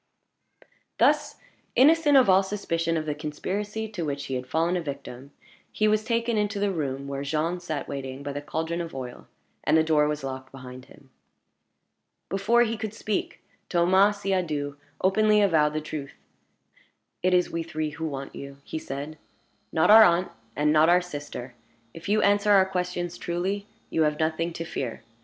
Thus innocent of all suspicion of the conspiracy to which he had fallen a victim, he was taken into the room where Jean sat waiting by the caldron of oil, and the door was locked behind him. Before he could speak, Thomas Siadoux openly avowed the truth. "It is we three who want you," he said; "not our aunt, and not our sister. If you answer our questions truly, you have nothing to fear.